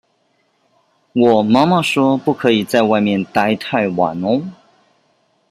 我媽媽說不可以在外面待太晚